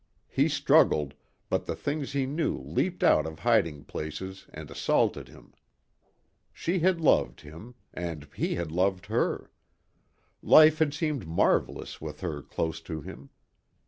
He struggled, but the things he knew leaped out of hiding places and assaulted him. She had loved him. And he had loved her. Life had seemed marvelous with her close to him.